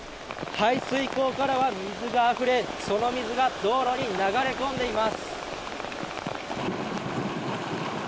排水溝からは水があふれその水が道路に流れ込んでいます。